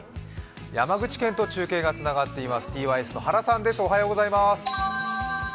山口県と中継がつながっています、ｔｙｓの原さんです。